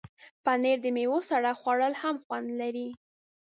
پنېر د میوو سره خوړل هم خوند لري.